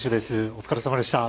お疲れさまでした。